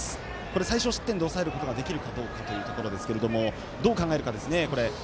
最少失点で抑えることができるかどうかというところですけれどもどう考えるかですね。